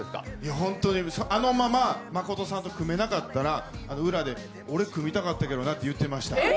本当にあのまま、誠さんと組めなかったら、裏で、俺、組みたかったけどなって言ってました。